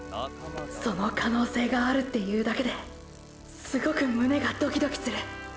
その可能性があるっていうだけですごく胸がドキドキする。